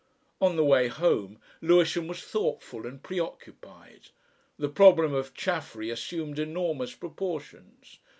On the way home Lewisham was thoughtful and preoccupied. The problem of Chaffery assumed enormous proportions.